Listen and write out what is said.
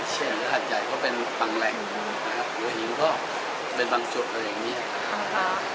ส่วนหรือหาดใหญ่ก็เป็นบางแหล่งนะครับหรือหินก็เป็นบางจุดอะไรอย่างนี้